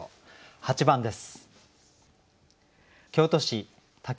８番です。